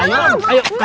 enggak mau om enggak mau